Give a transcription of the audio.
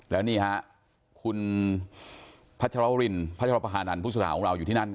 แล้วนี่ค่ะคุณพระชาวรินพระชาวประหานันต์ผู้สาหรับของเราอยู่ที่นั่น